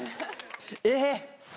えっ！